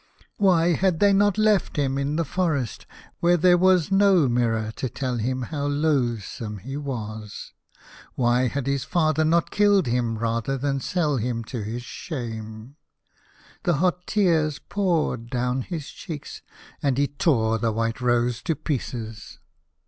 Why had they not left him in the forest, where there was no mirror to tell him how loathsome he was ? Why had his father not killed him, rather than sell him to his shame ? The hot tears poured down his cheeks, and he tore the white rose to pieces.